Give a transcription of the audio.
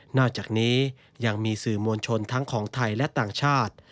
อกจากนี้ยังมีสื่อมวลชนทั้งของไทยและต่างชาติ